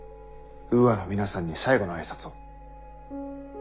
ウーアの皆さんに最後の挨拶を。